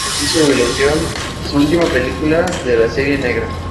Su última película de la serie negra.